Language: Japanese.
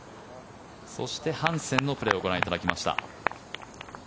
そして、ハンセンのプレーをご覧いただきました。